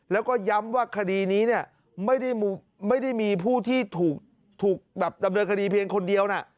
แล้วก็ย้ำว่าคดีนี้เนี่ยไม่ได้มีผู้ที่ถูกดำเนินคดีเพียงคนเดียวนะ